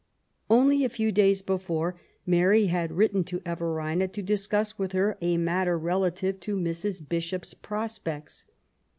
Only a few days before Mary had written to Everina to discuss with her a matter relative to Mrs. Bishop's prospects.